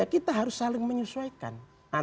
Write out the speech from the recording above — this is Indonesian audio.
kita harus saling menyesuaikan